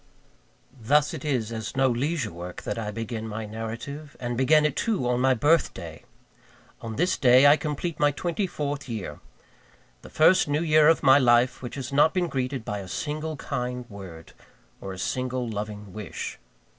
Thus it is as no leisure work that I begin my narrative and begin it, too, on my birthday! On this day I complete my twenty fourth year; the first new year of my life which has not been greeted by a single kind word, or a single loving wish.